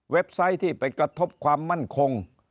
ไซต์ที่ไปกระทบความมั่นคง